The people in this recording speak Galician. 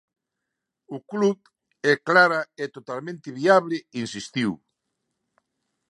"O club é clara e totalmente viable", insistiu.